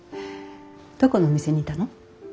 どこの店にいたの？